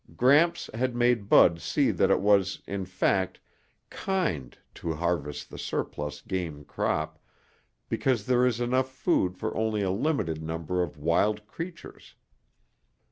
Gramps had made Bud see that it was, in fact, kind to harvest the surplus game crop because there is enough food for only a limited number of wild creatures.